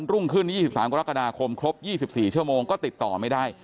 รุ่งขึ้น๒๓กรกฎาคมครบ๒๔ชั่วโมงก็ติดต่อไม่ได้